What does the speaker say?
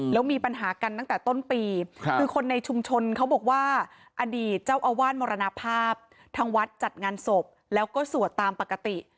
แล้วมีปัญหากันตั้งแต่ต้นปีคือคนในชุมชนเขาบอกว่าอดีตเจ้าอาวาสมรณภาพทางวัดจัดงานศพแล้วก็สวดตามปกติ